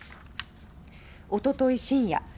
おととい深夜